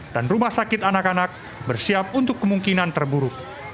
dan rumah sakit anak anak bersiap untuk kemungkinan terburuk